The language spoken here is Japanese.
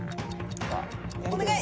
お願い。